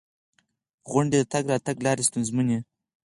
• غونډۍ د تګ راتګ لارې ستونزمنوي.